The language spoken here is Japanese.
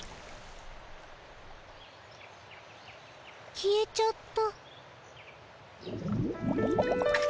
消えちゃった。